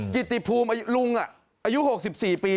กิตติภูมิอายุ๖๔ปี